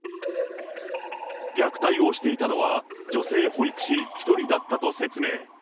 虐待をしていたのは、女性保育士１人だったと説明。